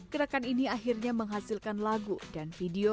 gerakan ini akhirnya menghasilkan lagu dan video